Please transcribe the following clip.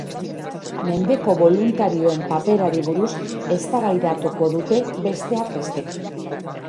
Mendeko boluntarioen paperari buruz eztabaidatuko dute, besteak beste.